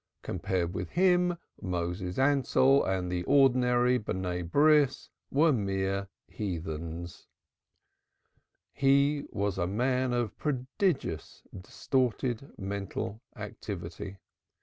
Compared with him Moses Ansell and the ordinary "Sons of the Covenant" were mere heathens. He was a man of prodigious distorted mental activity.